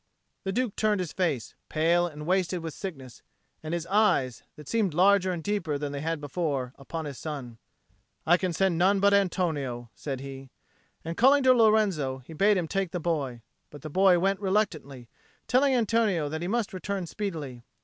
The Duke turned his face, pale and wasted with sickness, and his eyes, that seemed larger and deeper than they had been before, upon his son. "I can send none but Antonio," said he. And calling to Lorenzo, he bade him take the boy. But the boy went reluctantly, telling Antonio that he must return speedily.